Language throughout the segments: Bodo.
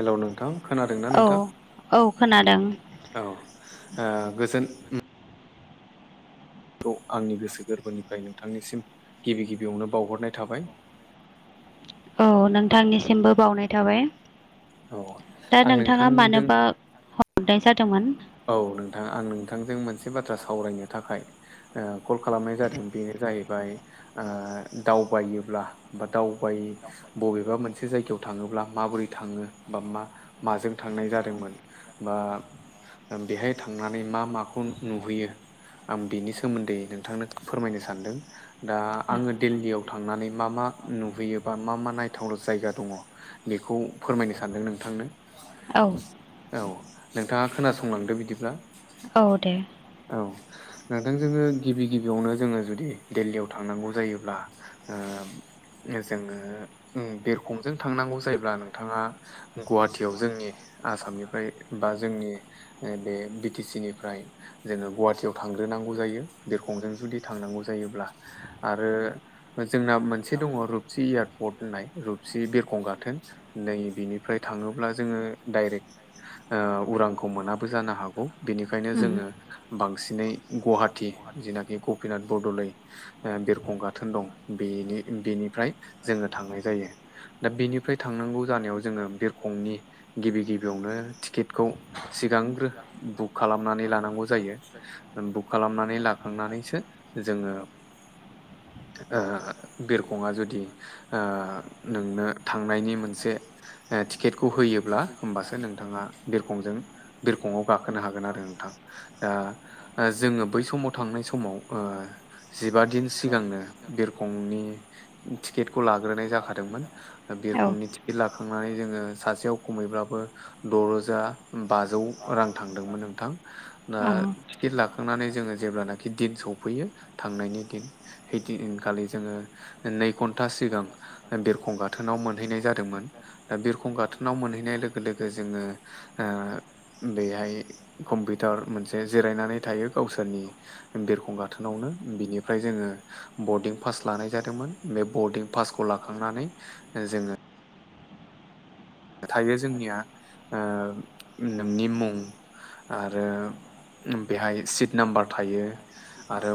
हेलौ नोंथां खोनादोंना नोंथां औ औ खोनादों औ ओ गोजोन खौ आंनि गोसो गोरबोनिफ्राय नोंथांनिसिम गिबि गिबियावनो बावहरनाय थाबाय औ नोंथांनिसिमबो बावनाय थाबाय औ दा आं नोंथाङा नोंथांजों मानोबा हरनाय जादोंमोन औ नोंथां आं नोंथांजों मोनसे बाथ्रा सावरायनो थाखाय ओ कल खालामनाय जादों बेनो जाहैबाय ओ दावबायोब्ला बा दावबाय बबेबा मोनसे जायगायाव थाङोब्ला माबोरै थाङो बा मा माजों थांनाय जादोंमोन बा बेहाय थांनानै मा माखौ नुहैयो आं बेनि सोमोन्दै नोंथांनो फोरमायनो सानदों दा आंनि आङो दिल्लीयाव थांनानै मा मा नुहैयो बा मा मा नायथाव जायगा दङ बेखौ फोरमायनो सानदों नोंथांनो औ औ नोंथाङा खोनासंलांदो बिदिब्ला औ दे औ नोंथां जोङो गिबि गिबियावनो जोङो जुदि दिल्लीयाव थांनांगौ जायोब्ला ओ जोङो बिरखंजों थांनांगौ जायोब्ला नोंथाङा गुवाहाटियाव जोंनि आसामनिफ्राय बा जोंनि बे बि टि सि निफ्राय जोङो गुवाहाटियाव थांग्रोनांगौ जायो बिरखंजों जुदि थांनांगौ जायोब्ला आरो जोंना मोनसे दङ रुपसि एयारपर्ट होननाय रुपसि बिरखं गाथोन नै बिनिफ्राय थाङोब्ला जोङो डाइरेक्ट उरांखौ मोनाब बो जानो हागौ बेनिखायनो उम बांसिन जोङो बांसिनै गुवाहाटि जिनाखि गपिनाथ बरदलै ओ बिरखं गाथोन दं बेनि बेनिफ्राय जोङो थांनाय जायो दा बेनिफ्राय थांनांगौ जानायाव जोङो बिरखंनि गिबि गिबियावनो टिकेटखौ सिगांग्रो बुक खालामनानै लानांगौ जायो बुक खालामनानै लाखांनानैसो जोङो ओ बिरखंआ जुदि ओ नोंनो थांनायनि मोनसे टिकेटखौ होयोब्ला होमबासो नोंथाङा बिरखंजों बिरखंआव गाखोनो हागोन आरो नोंथां ओ दा जोङो बै समाव थांनाय समाव ओ जिबा दिन सिगांनो बिरखंनि टिकेटखौ लाग्रोनाय मिथियैखौ जाखादोंमोन जानानै औ लाग्रोनानै जोङो बेनि सोमोन्दै गुबुन औ बिरखंनि टिकेट लाखांनानै जोङो सासेयाव खमैब्लाबो द रोजा बाजौ रां थांदोंमोन नोंथां ओ बेखौ लानानै जों गोरोबसिन गाखोहैनो हायो आरो टगकिट लाखांनानै जोङो जेब्लानाखि दिन सफैयो थांनायनि दिन हैदिनखालि जोङो नै घन्टा सिगां बिरखं गाथोनाव मोनहैनाय जादोंमोन दा बिरखं गाथोनाव मोनहैनाय लोगो लोगो जोङो ओ बेहाय कम्पिउटार मोनसे जिरायनानै थायो गावसोरनि बिरखं गाथोनावनो बिनिफ्राय जोङो बरदिं पास लानाय जादोंमोन बे बरदिं पासखौ लाखांनानै जोङो थायो जोंनिया नोंनि मुं आरो बेहाय सिट नाम्बार थायो आरो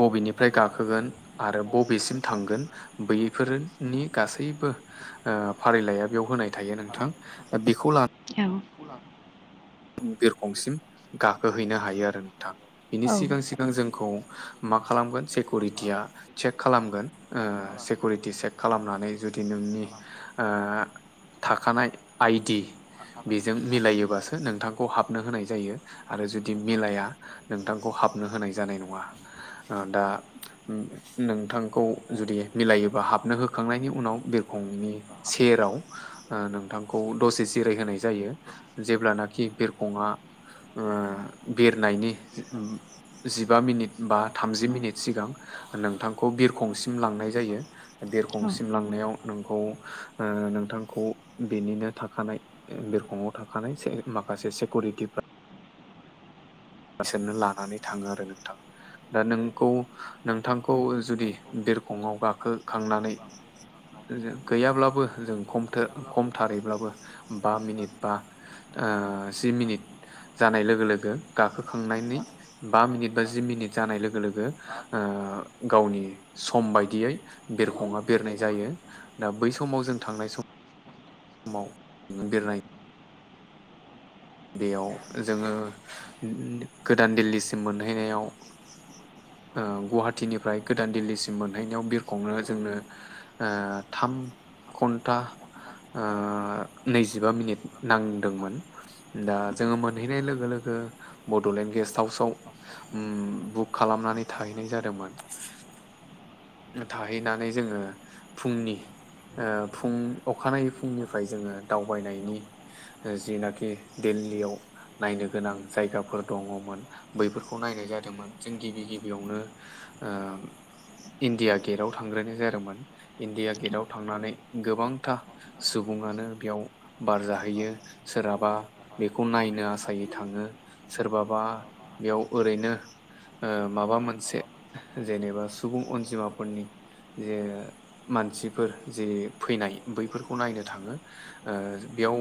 बबेनिफ्राय गाखोगोन आरो बबेसिम थांगोन बैयैफोरनि गासैबो ओ फारिलाइआ बेयाव होनाय थायो नोंथां दा बेखौ लानानै औ बिरखंसिम गाखोहैनो हायो आरो नोंथाङा बिनि औ सिगां सिगां जोंखौ मा खालामगोन सेकरिटिया चेक खालामगोन ओ सिकिरिटि सेेक खालामनानै जुदि नोंनि ओ थाखानाय आइडि बेजों मिलायोबासो नोंथांखौ हाबनो होनाय जायो आरो जुदि मिलाया नोंथांखौ हाबनो होनाय जानाय नङा ओ दा नोंथांखौ जुदि मिलायोबा हाबनो होखांनायनि उनाव बिरखंनि सेराव नोंथांखौ दसे जिरायहोनाय जायो जेब्लाना खि बिरखंङा बिरनायनि जिबा मिनिट बा थामजि मिनिट सिगां नोंथांखौ बिरखंसिम लांनाय जायो बेरखंसिम लांनायाव नोंखौ ओ नोंथांखौ बेनिनो थाखानाय बिरखंआव थाखानाय माखासे सेकउरिटिफोरा गावसोरनो लानानै थाङो आरो नोंथां दा नोंखौ नोंथांखौ जुदि बिरखंआव गाखोखांनानै गैयाब्लाबो जों खमथो खमथारैब्लाबो बा मिनिट बा ओ जि मिनिट जानाय लोगो लोगो गाखोखांनायनि बा मिनिट बा जि मिनिट जानाय लोगो लोगो ओ गावनि सम बायदियै बेरखङा बेरनाय जायो दा बै समाव जों थांनाय समाव बेरायनाय बेयाव जोङो गोदान दिल्लीसिम मोनहैनायाव गुवाहाटीनिफ्राय गोदान दिल्लीसिम मोनहैनायाव बिरखंनो जोंनो ओ थाम घन्टा नैजिबा मिनिट नांदोंमोन दा जोङो मोनहैनाय लोगो लोगो बड'लेण्ड गेस् हाउसाव बुक खालामनानै थाहैनाय जादोंमोन। थाहैनानै जोङो फुंनि ओ फुं अखानायै फुंनिफ्राय जोङो दावबायनायनि जेनाखि दिल्लीयाव नायनो गोनां जायगाफोर दङमोन बैफोरखौ नायनाय जादोंमोन जों गिबि गिबियावनो आ इण्डिया गेटआव थांग्रोनाय जादोंमोन इण्डिया औ गेटआव थांनानै गोबांथा सुबुङानो बेयाव बार जाहैयो सोरहाबा बेखौ नायनो आसायै थाङो सोरबाबा बेयाव ओरैनो माबा मोनसे जेनेबा सुबुं अनजिमाफोरनि जे मानसिफोर जे फैनाय बैफोरखौ नायनो थाङो ओ बेयाव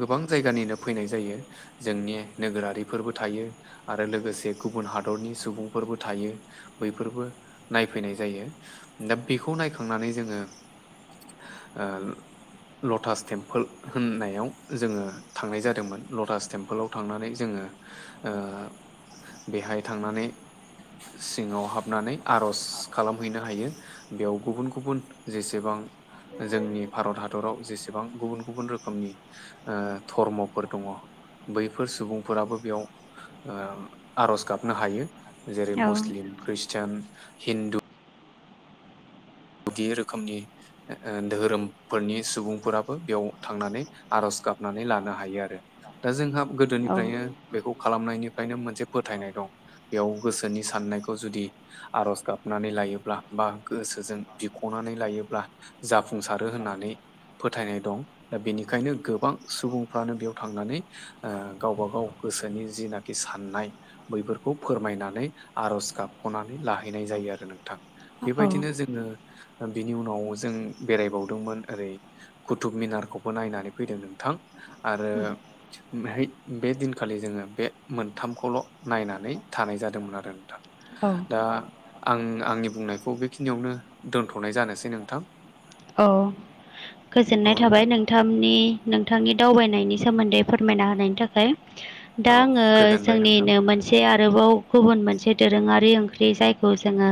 गोबां जायगानिनो फैनाय जायो। जोंनि नोगोरारिफोरबो थायो आरो लोगोसे गुबुन हादरनि सुबुंफोरबो थायो। बैफोरबो नायफैनाय जायो दा बेखौ नायखांनानै जोङो ओ लटास टेम्पोल होननायाव जोङो थांनाय जादोंमोन लटास टेम्पोलाव थांनानै जोङो ओ बेहाय थांनानै सिङाव हाबनानै आर'ज खालामहैनो हायो बेयाव गुबुन गुबुन जेसेबां जोंनि भारत हादराव जेसेबां गुबुन गुबुन रोखोमनि ओ धर्मफोर दङ बैफोर सुबुंफोराबो बेयाव ओ आरज गाबनो हायो जेरै मुस्लिम ख्रिषटान हिन्दु गुदि रोखोमनि धोहोरोमफोरनि सुबुंफोराबो बेयाव थांनानै आर'ज गाबनानै लानो हायो आरो। दा जोंहा गोदोनिफ्रायनो बेखौ खालामनायनिफ्रायनो मोनसे फोथायनाय दं बेयाव गोसोनि साननायखौ जुदि आरज गाबनानै लायोब्ला बा गोसोजों बिख'नानै लायोब्ला जाफुंसारो होननानै फोथायनाय दं दा बेनिखायनो गोबां सुबुंफ्रानो बेयाव थांनानै ओ गावबा गाव गोसोनि जिनाखि साननाय बैफोरखौ फोरमायनानै आर'ज गाबख'नानै लाहैनाय जायो आरो नोंथां। औ बेबायदिनो जोङो बिनि उनाव जों बेरायबावदोंमोन ओरै कुथुब मिनारखौबो नायनानै फैदों नोंथां आरो ह बे दिनखालि जोङो बे मोनथामखौल' नायनानै थानाय जादोंमोन आरो नोंथां। औ दा आं आंनि बुंनायखौ बेखिनियावनो दोनथ'नाय जानोसै नोंथां। औ औ गोजोननाय थाबाय नोंथां नों सथामनि नोंथांनि दावबायनायनि सोमोन्दै फोरमायना होनायनि थाखाय। दा औ आङो गोजोनबाय नोंथां जोंनिनो मोनसे से आरोबाव गुबुन मोनसे दोरोङारि ओंख्रि जायखौ जोङो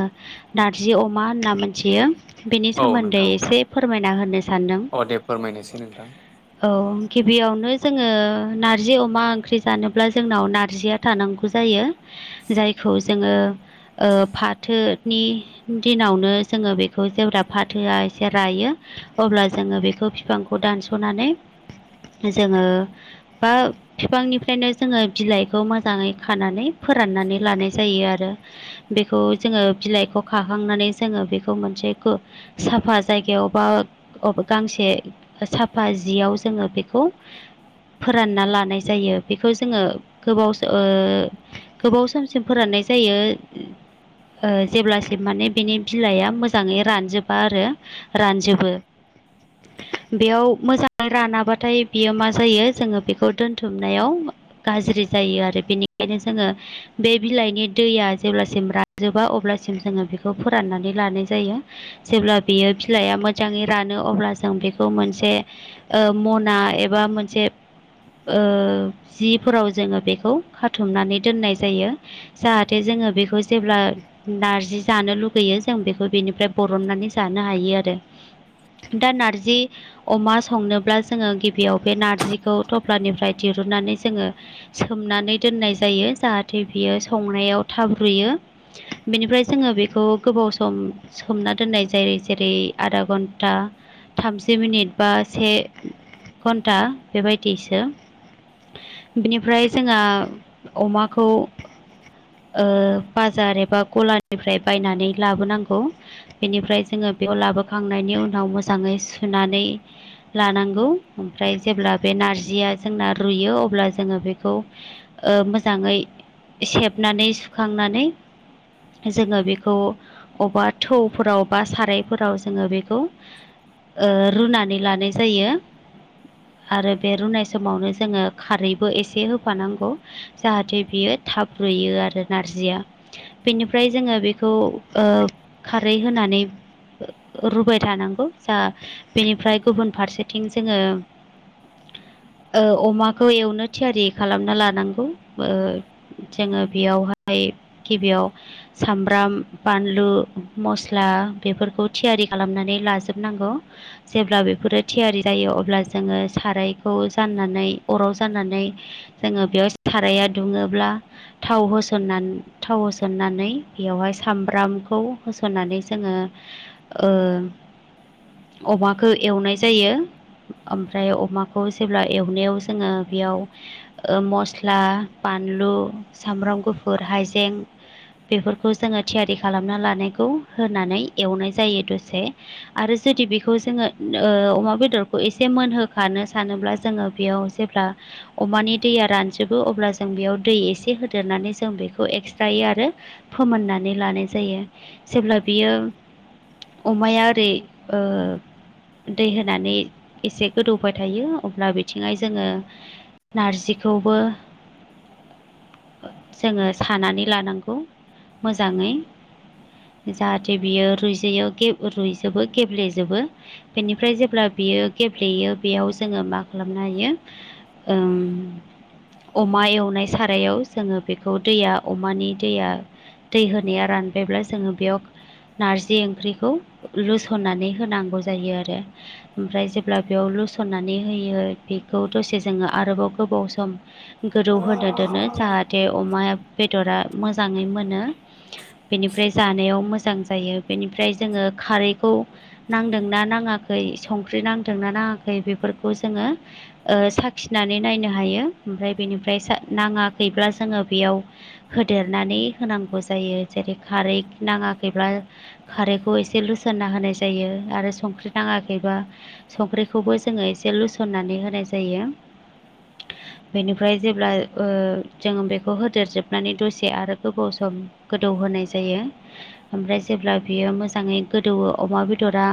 नारजि अमा होनना मोनथियो बेनि औ सोमोन्दै नोंथां एसे फोरमायना होनोसै। अ दे फोरमायनोसै नोंथां। औ गिबियावनो जोङो नारजि अमा ओंख्रि जानोब्ला जोंनाव नारजिया थानांगौ जायो। जायखौ जोङो ओ फाथोनि दिनावनो जोङो बेखौ जेब्ला फाथोआ जे रायो अब्ला जोङो बेखौ बिफांखौ दानस'नानै जोङो बा बिफांनिफ्रायनो जोङो बिलाइखौ मोजाङै खानानै फोराननानै लानाय जायो आरो बेखौ जोङो बिलाइखौ खाखांनानै जोङो बेखौ मोनसे साफा जायगायाव बा गांसे साफा जियाव जोङो बेखौ फोरानना लानाय जायो बेखौ जोङो गोबाव गोबाव समसिम फोराननाय जायो जेब्लास माने बिनि बिलाइआ मोजाङै रानजोबा आरो रानजोबो बेयाव मोजां रानाबाथाय बियो मा जायो जोङो बेखौ दोनथुमनायाव गाज्रि जायो आरो बेनिखायनो जोङो बे बिलाइनि दैया जेब्लासिम राजोबा अब्लासिम जोङो बेखौ फोराननानै लानाय जायो जेब्ला बियो बिलाइआ मोजाङै रानो अब्ला जों बेखौ मोनसे मना एबा मोनसे जिफोराव जोङो बेखौ खाथुमनानै दोननाय जायो जाहाथे जोङो बेखौ जेब्ला नारजि जानो लुगैयो जों बेखौ बेनिफ्राय बरननानै जानो हायो आरो दा नारजि अमा संनोब्ला जोङो गिबियाव बे नारजिखौ थफ्लानिफ्राय दिरुननानै जोङो सोमनानै दोननाय जायो जाहाथे बियो संनायाव थाब रुयो बेनिफ्राय जोङो बेखौ गोबाव सम सोमना दोननाय ज जेरै जेरै आधा घन्टा थामजि मिनिट बा से घन्टा बेबायदिसो बिनिफ्राय जोंहा अमाखौ बाजार एबा गलानिफ्राय बायनानै लाबोनांगौ बेनिफ्राय जोङो बेयाव लाबोखांनायनि उनाव मोजाङै सुनानै लानांगौ ओमफ्राय जेब्ला बे नारजिया जोंना रुयो अब्ला जोङो बेखौ मोजाङै सेबनानै सुखांनानै जोङो बेखौ अबेबा थौफोराव बा सारायफोराव जोङो बेखौ रुनानै लानाय जायो। आरो बे रुनाय समावनो जोङो खारैबो एसे होफानांगौ जाहाथे बियो थाब्रुयो आरो नारजिया बेनिफ्राय जोङो बेखौ खारै होनानै। रुबाय थानांगौ जा बेनिफ्राय गुबुन फारसेथिं जोङो अमाखौ एवनो थियारि खालामना लानांगौ जोङो बेयावहाय गिबियाव सामब्राम बानलु मस्ला बेफोरखौ थियारि खालामनानै लाजोबनांगौ जेब्ला बेफोरो थियारि जायो अब्ला जोङो सारायखौ जाननानै अराव जाननानै जोङो बेयाव साराया दुङोब्ला थाव होसननानै थाव होसननानै बेवहाय सामब्रामखौ होसननानै जोङो अमाखौ एवनाय जायो ओमफ्राय अमाखौ जेब्ला एवनायाव जोङो बेयाव मस्ला बानलु सामब्राम गुफुर हाइजें बेफोरखौ जोङो थियारि खालामना लानायखौ होनानै एवनाय जायो दसे आरो जुदि बेखौ जोङो अमा बेदरखौ एसे मोनहोखानो सानोब्ला जोङो बेयाव जेब्ला अमानि दैया रानजोबो अब्ला जों बेयाव दै एसे होदेरनानै जों बेखौ एक्सट्रायो आरो फोमोननानै लानाय जायो जेब्ला बियो अमाया ओरै दै होनानै एसे गोदौबाय थायो अब्ला बिथिं जोङो नारजिखौबो जोङो सानानै लानांगौ मोजाङै जाहाथे बियो रुइजोयाव रुइजोबो गेब्लेजोबो बेनिफ्राय जेब्ला बियो गेब्लेयो बेयाव जोङो मा खालामनो हायो ओं अमा एवनाय सारायाव जोङो बेखौ दैया अमानि दैया दै होनाया रानबायब्ला जोङो बेयाव नारजि ओंख्रिखौ लुसननानै होनांगौ जायो आरो ओमफ्राय जेब्ला बेयाव लुसननानै होयो बेखौ दसे जोङो आरोबाव गोबाव सम गोदौ होनो दोनो जाहाथे अमाया बेदरा मोजाङै मोनो बेनिफ्राय जानायाव मोजां जायो बेनिफ्राय जोङो खारैखौ नांदोंना नाङाखै संख्रि नांदोंना नाङाखै बेफोरखौ जोङो ओ साखिनानै नायनो हायो ओमफ्राय बेनिफ्राय नाङाखैब्ला जोङो बेयाव होदेरनानै होनांगौ जायो जेरै खारै नाङाखैब्ला खारैखौ एसे लुसोनना होनाय जायो आरो संख्रि नाङाखैबा संख्रिखौबो जोङो एसे लुसननानै होनाय जायो [inaudible] बेनिफ्राय जेब्ला ओ जों बेखौ होदेरजोबनानै दसे आरो गोबाव सम गोदौ होनाय जायो ओमफ्राय जेब्ला बियो मोजाङै गोदौवो अमा बेदरा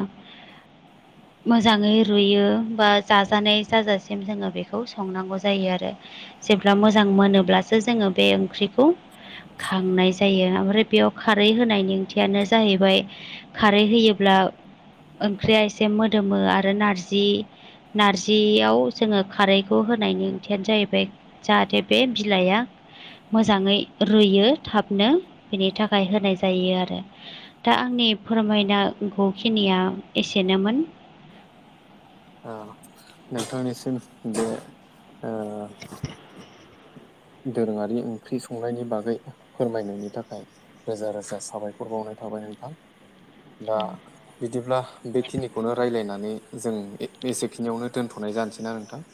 [inaudible] मोजाङै रुयो बा जाजानाय जाजासिम जोङो बेखौ संनांगौ जायो आरो जेब्ला मोजां मोनोब्लासो जोङो बे ओंख्रि खौ खांनाय जायो ओमफ्राय बेयाव खारै होनायनि ओंथि यानो जाहैबाय खारै होयोब्ला ओंख्रिया एसे मोदोमो आरो नारजि नारजियाव जोङो खारैखौ होनायनि ओंथियानो जाहैबाय जाहाथे बे बिलाइआ मोजाङै रुयो थाबनो बेनि थाखाय होनाय जायो आरो दा आंनि फोरमायनांगौखिनिया एसेनोमोन ओ नोंथांनिसिम बे ओ [inaudible] दोरोङारि ओंख्रि संनायनि बागै फोरमायनायनि थाखाय रोजा रोजा साबायखर बावनाय थाबाय नोंथां दा औ बिदिब्ला बेखिनिखौनो राय्लायनानै जों एसेखिनियावनो दोनथनाय जानोसैना नोंथां